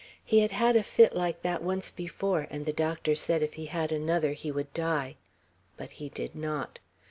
He had had a fit like that once before; and the doctor said if he had another, he would die. But he did not.